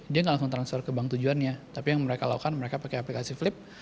dia nggak langsung transfer ke bank tujuannya tapi yang mereka lakukan mereka pakai aplikasi flip